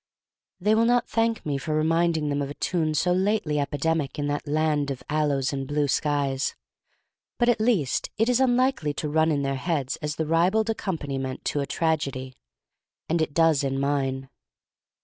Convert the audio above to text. They will not thank me for reminding them of a tune so lately epidemic in that land of aloes and blue skies; but at least it is unlikely to run in their heads as the ribald accompaniment to a tragedy; and it does in mine.